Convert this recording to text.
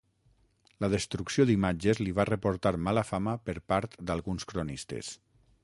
La destrucció d'imatges li va reportar mala fama per part d'alguns cronistes.